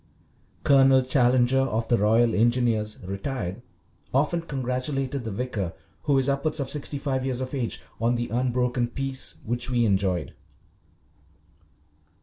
Colonel Challenger, of the Royal Engineers, retired, often congratulated the vicar, who is upwards of sixty five years of age, on the unbroken peace which we enjoyed.